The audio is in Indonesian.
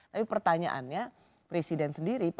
tapi pertanyaannya presiden sendiri